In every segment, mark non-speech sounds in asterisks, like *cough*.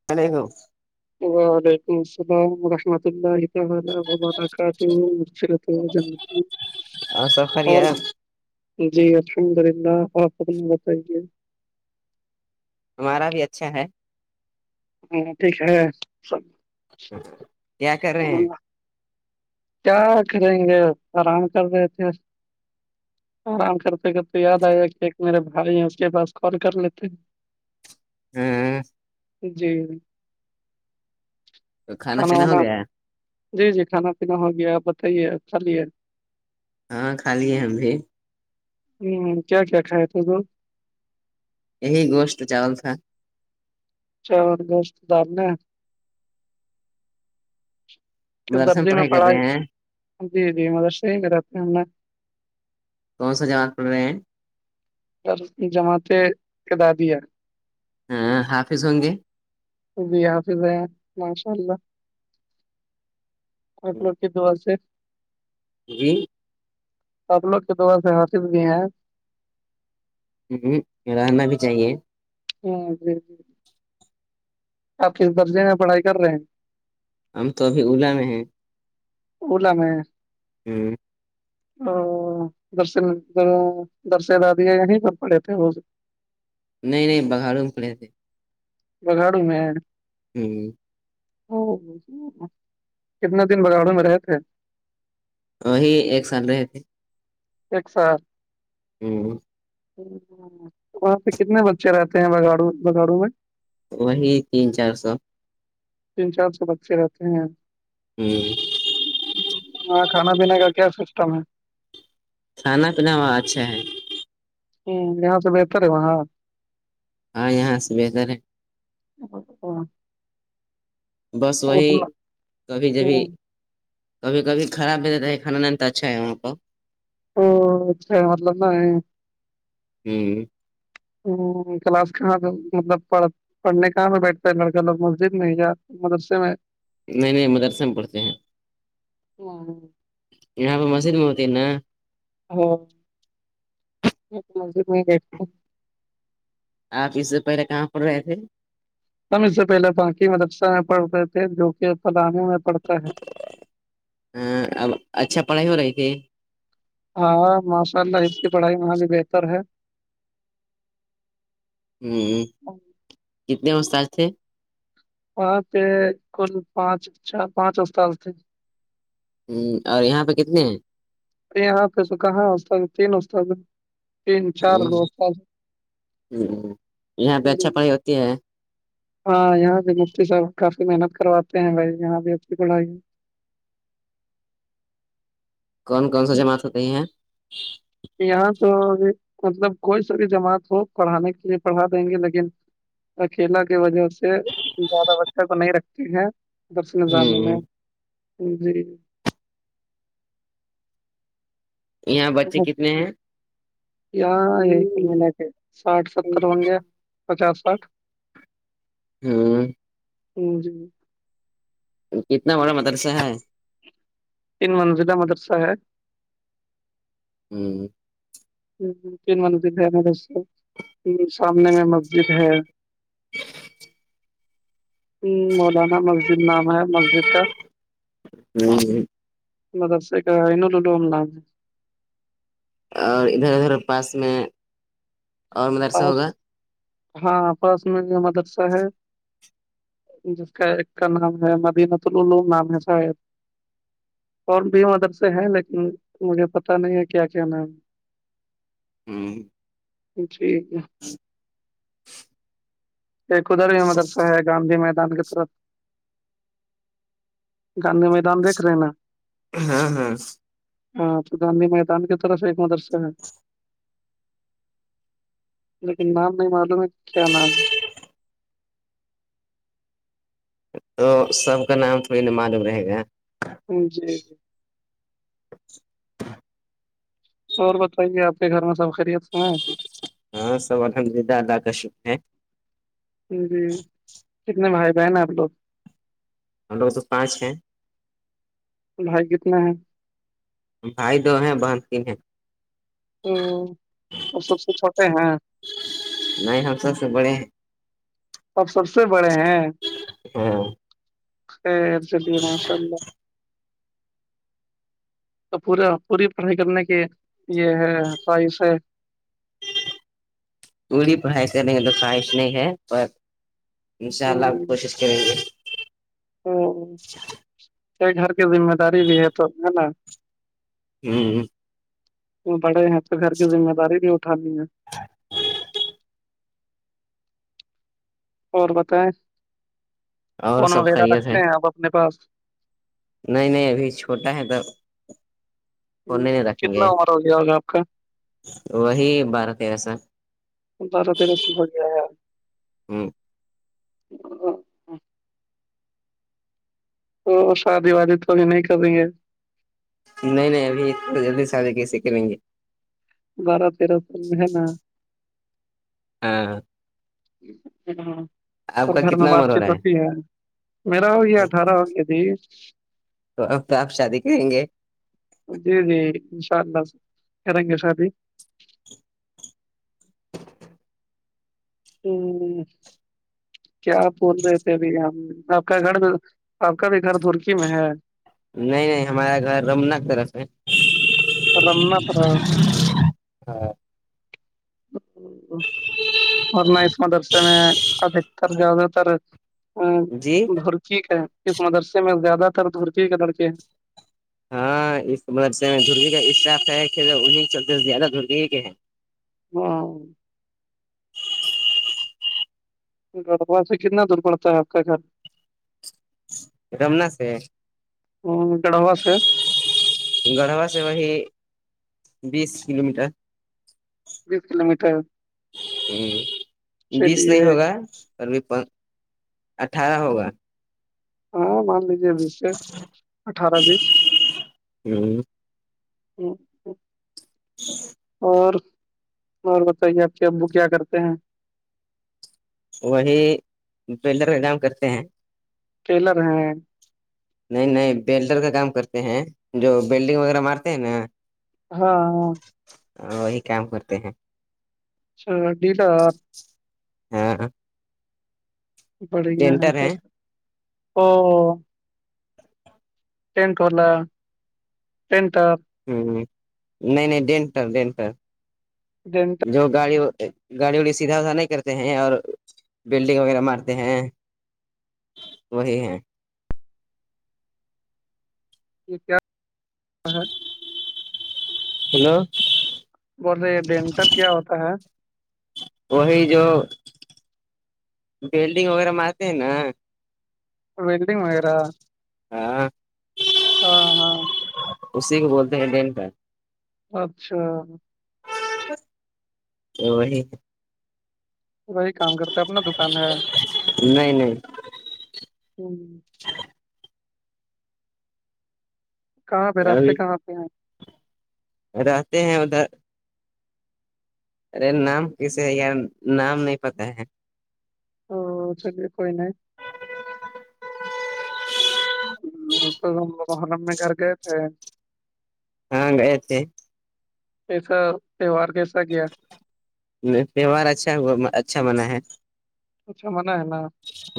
*inaudible* وعلیکم السلام ورحمۃ اللہ تالی و برکاتہ اور سب خیریت *inaudible* جی الحمد للہ آپ حکم بتائیے ہمارا بھی اچھا ہے *inaudible* کیا کر رہے ہیں کیا کریں گے آرام کر رہے تھے آرام کرتے کر تو یاد آئے گا کہ ایک میرے بھائی ہیں اس کے پاس کال کر لیتے ہیں *inaudible* ہمم جی تو کھانا پینا ہو وانا گیا جی جی کھانا کتنا ہو گیاپ بتائیے ا چلے ہاں کھا لییے ہم بھی ہمم کیا کیا کھا تھا تو یہی گوشت چاول تھا چن رشت دار ن ف مدرسہ درجی میں کر پڑھائی رہے ہیں جی جی مدرسے رہتے ہیں ہم نے کون سا جواب پڑ رہے ہیں بر جماعتیں کے دادیا حافظ ہوں گے ا بھیی حافظ ہیں ماشاء اللہ ملو کی دوو سے جی تدلوں کے دور سے حاصل بھی ہیں ہ رہنا بھی چاہیے ہاں جی آپ کس درجے میں پڑھائی کر رہے ہیں ہم تو ابھی اولا میں ہیں اولا میں ہمم ا در درسل آاد ہے یہیں پر پڑے تھے روز نہیں نہیں بگھاروں میں کھڑے تھے بگاڑوں میں ہمم کتنے دن بگاڑوں میں رہے تھے ہی ایک سال رہے تھے ایک سال ہمم وہاں پہ کتنے بچے رہتے ہیں بگاڑو بگاڑو میں وہی تین چار سو تین چار سو بچے رہتے ہیں ہممم ہاں کھانا پینے کا کیا سسٹم ہے کھانا پینا ہوا اچھا ہے ہمم یہاں سے بہتر ہے وہاں ہاں یہاں سے بہتر ہے *inaudible* بس وہی اتنا کبھی تو جبھی کب کھی خراب بھیتا ہے کانا اچھا ہے وہاں پہ او ح ل میں ج ہمم کلاس کہاں پہ مطلب پڑھ پڑھنے کااں میں بیٹھتا ہے لڑکا لوگ مسجد میں جا مدرسے میں نہیں نہیں مدرسے میں پڑتے ہیں ہاں یہاں پہ مسجد میں ہوتی ہے نا ہاں مھے میں *unintelligible* آپ اس سے پہلے کہاں پر رہے تھے ہم اس سے پہلے باقی مدرسہ میں پڑھتے تھے جو کہ پلانے میں پڑتا ہے ہاں اب اچھا پڑھائی ہو رہی تھی ہاں ماشاء اللہ اس کی پڑھائی وہاں بھی بہتر ہے ہوں کتنےتاد تھے وہاں پ کل پانچ چ پانچ استاال سے ہ اور یہاں پہ کتنے ہیں یہاں پہ تو کہاں ہوتا ہے تین ہوتا تھا تین چار ہوں، گف ہوں، یہاں پہ جی اچھا پڑھائی ہوتی ہیں ہاں یہاں بھی مفتی صاحب کافی محنت کرواتے ہیں بھائی یہاں بھی ا کی بڑائی کون کون سا ہے۔ جماعت ہوتے ہیں یہاں تو مطلب کوئی ساری جماعت ہو پڑھانے کے لیے پڑھا دیں گے لیکن اکیلا کی وجہ سے زیادہ بچہ کو نہیں رکھتے ہیں درس نظامی ہ میں جی یہاں بچے کتنے ہیں یا یہی کرمی ل کے ساٹھ ستر بن گیا پچاس ساٹھ ہاں ج جی کتنا بڑا مدرسہ ہے انن منزلہ مدرسہ ہے ہوں تن منزد ہے سامنے میں مسجد ہے ہ مولانا مسجد نام ہے مسجد کا ہی م دس ایکوں ل لوون لام ہے اور ادھر ادھر پاس میں اور مدرسہ پاس ہوگا ہاں پاس میں مدرسہ ہے جس کا ایک کا نام ہے مدینۃ العلوم نام ہے شاید اور بھی ادر سے ہیں لیکن مجھے پتا نہیں ہے کیا کیا نام ہے ہوں ٹھیک ہے ایک خدر ہی مدرسہ ہے گاندھی میدان کے طرت گاندھی میدان دیکھ رہے ہیں نا ہاں ہاں ہاں تو گاندھی میدان کی طرف ایک مدرسہ ہے لیکن نام نہیں معلوم ہے کہ کیا نام ہے تو سب کا نام تھڑی نا معلوم رہے گا جی جی اور بتائیے آپ کے گھر میں سب خریت س ہیں ہاں سب الحمد للہ اللہ کا شکر ہے جی کتنے بھائی بہن ہیں آپ لوگ ہم لوگ تو پانچ ہیں تو بھائی کتنا ہے بھائی دو ہیں بن تین ہیں ہ تو سب سے چھوٹے ہیںاں نہیں ہم سب سے بڑے ہیں اب سب سے بڑے ہیں ہاں خ چلیے ماشاء اللہ تو پورا پوری پڑھائی کرنے کی یہ ہے خواہش ہے پوری پڑھائی کریں گے تو خواہش نہیں ہے اور ان شاء اللہ کوشش کریں گے ا گھر کی ذمہ داری بھی ہے تو ہے نا ہوں وہ بڑے ہیں تو گھر کی ذمہ داری بھی اٹھانی ہے اور بتائائے اور فون سب وغیرہ خیریت ہے رکھتے ہیں آپ اپنے پاس نہیں نہیں ابھی چھوٹا ہے تب کتنا ومارا ہو جائے گا آپ کا وہی بارہ تیرہ سا بارہ تیرہ سال ہو گیا ہےار *unintelligible* تو شادی وادی تو ابھی نہیں کریں گے نہیں نہیں ابھی جلدی سادے کیسے کریں گے بارہ تیرہ سال میں ہے نا ہاں ہ آپ اور کا گھر میں کتنا بات عمر رہا چیت ہو سی ہے میرا ہو گیا اٹھارہ ہو گیا تھی تو اب تو آپ شادی کریں گے جی جی انشاء اللہ کریں گے شادی ہوں کیا آپ بول رہے تھے ابھی یہ آپ کا گھر آپ کا بھی گھر دھورکی میں ہے نہیں نہیں ہمارا گھر رمناک طرف ہے رمنت رہا ہاں اور میں اس مدرسے میں ادھکتر زیادہ تر ا جی دھورکی کا ہے اس مدرسے میں زیادہ تر دھورکی کے لڑکے ہیں ہاں اس م سے دھرگی کا اسٹاف ہے ان چ زیادہ دھرگی ہی کے ہیں ہاں گڑوا سے کتنا دور پڑتا ہے آپ کا گھر رمنا سے ہے ہ گڑا ہو سے گڑھوا سے وہی بیس کلو میٹر بیس کلو میٹر ہوں بیس نہیں چلیے ہوگا اب اٹھارہ ہوگا ہاں مان لیجے بیس سے اٹھارہ بیس ہ اور اور بتائیے آپ کے ابو کیا کرتے ہیں وہی پیڈر کا کام کرتے ہیں ٹیلر ہیں نہیں نہیں بیلڈر کا کام کرتے ہیں جو بیلڈنگ وغیرہ مارتے ہیں نا ہاں ہاں وہی کام کرتے ہیں ا ڈیٹا ہاں بڑھیا ہے تب او ٹنٹ واللا ٹنٹ ہ نہیں نہیں ڈینٹر ڈینٹر جنٹ جو گاڑی گاڑی وڑی سیدھا سھا نہیں کرتے ہیں اور بلڈنگ وغیرہ مارتے ہیں وہی ہے یہ کیا ہے ہیلو بولے یہ ڈینٹر کیا ہوتا ہے وہی جو بیلڈنگ وغیرہ م آتے ہیں نا ولڈگ وغیرہ ہاں ہاں ہاں اسی کو بولتے ہیں ڈین پ اچھا تو وہی ہے وہی کام کرتا اپنا دکان ہے نہیں ہ ج کہاں پہ راستے ابھی کہاں پہ ہیں رہتے ہیں ادھر ارے نام کیسے ہے یار نام نہیں پتا ہے او چلیے کوئی نہیں تو ہم لوگ ہنم میں گھر گئے تھے ہاںگ آتیے ایسا تیوار کیسا کیا تہوار اچھا اچھا من ہے اچھا من ہے نا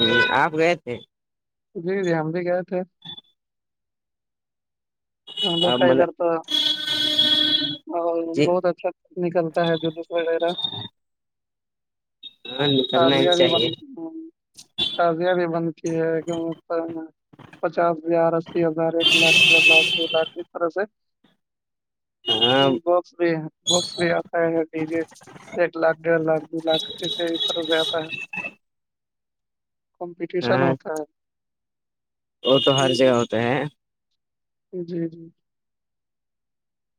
ہ آپ گئے تھے جی جی ہم بھی گئے تھے ہم لو آپ کئی م کرھر تو اور جی بہت اچھا نکلتا ہے جلوس وغیرہ ہاں اچب نکلنا ہی بھی بند چاہیے ہ تازیاں بھی بنتی ہے کہ پر پچاس ہزار اسی ہزار ایک لاکھ ڈھ ہزاکھ باتری طر سے ہاں ہے بھی بکس بھی آتا ہے ڈی جے ایک لاکھ ڈڑھ لاکھ دو لاکھ کے اس طرح سے آا ہے کمپٹیشن ہاں ہوتا ہے وہ تو ہر جگہ جی ہوتا ہے جی جی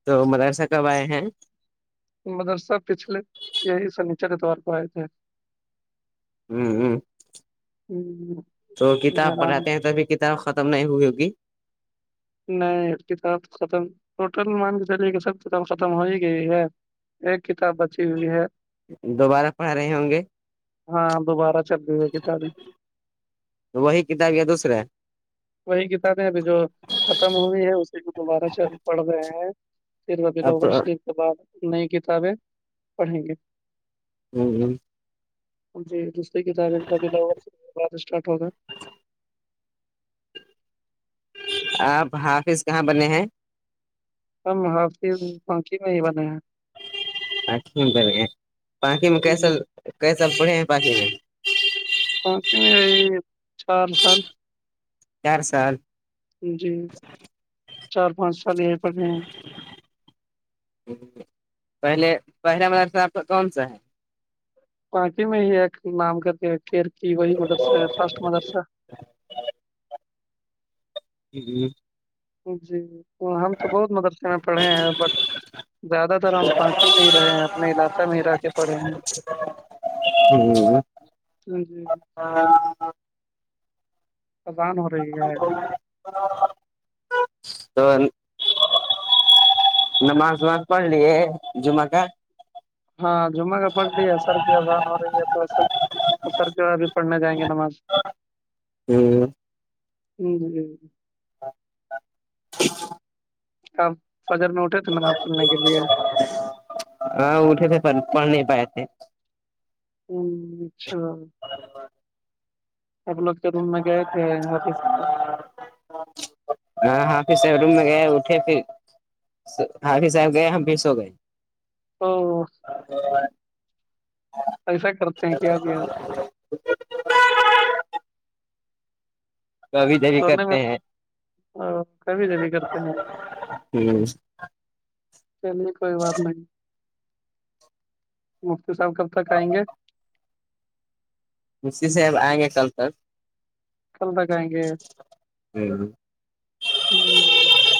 تو مدرسہ کب آئے ہیں مدرسہ پچھلے یہی س نیچر کےتوار پر آئے تھے ہوں ہ ہم، تو کتاب گھر آنے پڑھاتے ہیں تبھی کتاب ختم نہیں ہوئی ہوگی نہیں کتاب ختم ٹوٹل مان کے چلیے کہ سب کتاب ختم ہو ہی گئی ہے ایک کتاب بچی ہوئی ہے دوبارہ پڑھ رہے ہوں گے ہاں دوبارہ چل رہی ہے کتابیں تو وہی کتاب یہ دوسرا ہے وہی کتابیں ابھی جو ختم ہوئی ہے اسی کو دوبارہ ش پڑھ رہے ہیں پھر وبیلا اب اول شریف کے بعد نئی کتابیں پڑھیں گے ہوں ہوں جی دوسری کتابیں کتابھی لگ شرو کے بعد اسٹارٹ ہوگا آپ حافظ کہاں بنے ہیں ہم حاظ پنکھی میں ہی بنے ہیں پ میں ب گ پانک میں کی جی سال کی سال پڑھے ہیں پاناکی میں پانچ میںائی چار سال چار سال جی چار پانچ سال یہاں پڑے ہیں پہلے پہلا مدرسہ آپ کا کون سا ہے پانٹی میں ہی ایک نام کرتے کیر کی وہی مدرسہ ہے فرسٹ مدرسہ جی جی جی ہم تو بہت مدرسے میں پڑھے ہیں بٹ زیادہ تر ہم پاناکی میں ہی رہے ہیں اپنے علاقہ میں ہی رہ کے پڑھے ہیں ہوں جی جی ہاں ازان ہو رہے ہے تو نماز وماز پڑ لیے جمہ کا ہاں جمعہ کا پڑھ لی ہے سر کی اذان ہو رہی ہے تو اصل تو سر کے ا بھی پڑھنے جائیں گے نماز ہوں ہوں ہ ہاں آپ فجر میں اٹھے تھے نماز کرنے کے لیے ہاں اٹھے تھے پر پڑھ نہیں پائے تھے ہ اچھا مکطب روم میں گئے تھے حافظ صاب ہاں ہاں حافظ صاحب کے روم میں گئے اٹھے پھر حافظ صاحب گئے ہم بھی سو گئے او تو ایسا کرتے ہیں کیا کیای کبھی کبھی سونے کرتے میں ہیں آ، کبھی کبھی کرتے ہیں ہ چلیے کوئی بات نہیں مفتی صاحب کب تک آئیں گے مفتی صاحب سے آئیں گے کل تک چلتا گیں گے ہی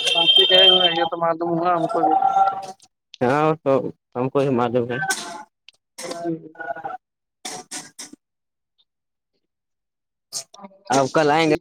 ہ بی کہ ہو یہ تو معلوم ہوا ہم کو بھی ہاں تو ہم کو ہی معلوم ہے جی اب کل آئیں گے جی